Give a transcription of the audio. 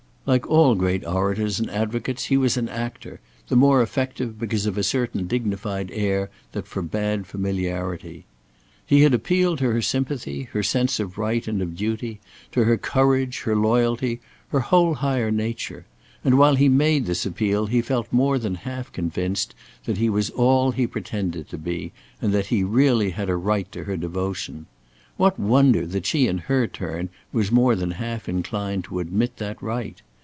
Like all great orators and advocates, he was an actor; the more effective because of a certain dignified air that forbade familiarity. He had appealed to her sympathy, her sense of right and of duty, to her courage, her loyalty, her whole higher nature; and while he made this appeal he felt more than half convinced that he was all he pretended to be, and that he really had a right to her devotion. What wonder that she in her turn was more than half inclined to admit that right.